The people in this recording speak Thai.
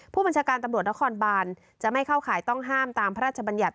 ผู้บัญชาการตำรวจนครบานจะไม่เข้าข่ายต้องห้ามตามพระราชบัญญัติ